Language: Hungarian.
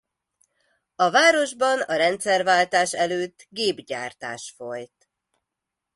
A városban a rendszerváltás előtt gépgyártás folyt.